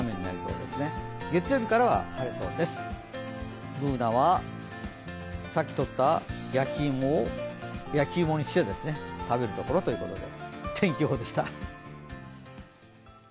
Ｂｏｏｎａはさっきほった芋を焼き芋にして食べるところということで。